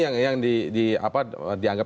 tententunya pak edy ya